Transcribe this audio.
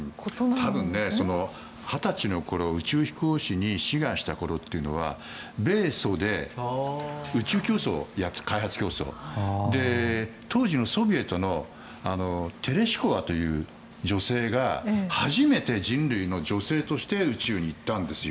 多分、２０歳の頃宇宙飛行士に志願した頃っていうのは米ソで宇宙競争当時のソビエトのテレシコワという女性が初めて女性として宇宙に行ったんですよ。